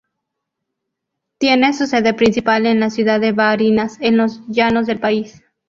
Tiene su sede principal en la ciudad de Barinas, en los llanos del país.